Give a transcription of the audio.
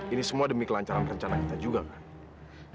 ini semua demi kelancaran rencana kita juga kan